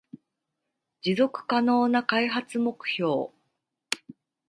持続可能な開発目標